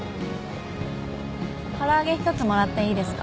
唐揚げ一つもらっていいですか？